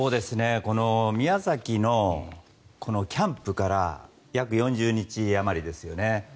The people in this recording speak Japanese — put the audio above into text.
宮崎のキャンプから約４０日あまりですよね。